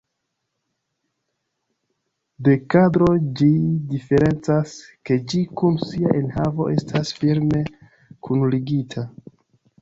De kadro ĝi diferencas, ke ĝi kun sia enhavo estas firme kunligita.